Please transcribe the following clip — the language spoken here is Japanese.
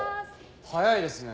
早いですね。